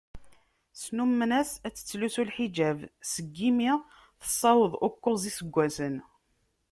Snummen-as ad tettlusu lḥiǧab seg imi tessaweḍ ukuẓ n yiseggasen.